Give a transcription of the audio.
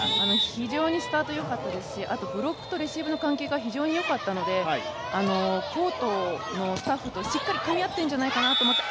非常にスタートよかったですし、あと、ブロックとレシーブの関係が非常によかったので、コートのスタッフとしっかりとかみ合ってるんじゃないかなと思って。